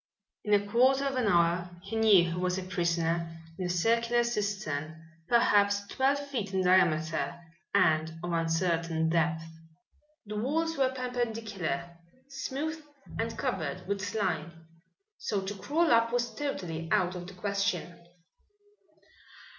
In a quarter of an hour he knew he was a prisoner in a circular cistern perhaps twelve feet in diameter and of uncertain depth. The walls were perpendicular, smooth and covered with slime, so to crawl up was totally out of the question.